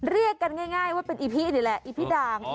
เรียกกันง่ายว่าเป็นอีพีนี่แหละอีพิดาง